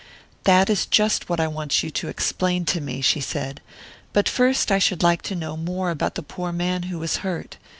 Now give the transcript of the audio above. "That is just what I want you to explain to me," she said. "But first I should like to know more about the poor man who was hurt.